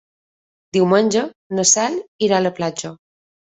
Diumenge na Cel irà a la platja.